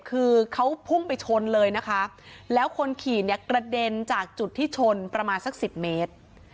คือเขาพุ่งไปชนเลยนะคะแล้วคนขี่เนี่ยกระเด็นจากจุดที่ชนประมาณสักสิบเมตร